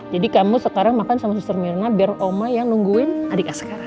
jadi kamu sekarang makan sama suster mirna biar oma yang nungguin adik askara oke